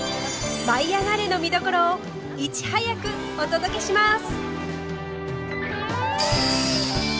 「舞いあがれ！」の見どころをいち早くお届けします！